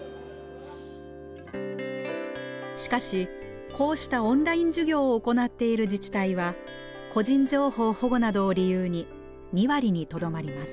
しかしこうしたオンライン授業を行っている自治体は個人情報保護などを理由に２割にとどまります。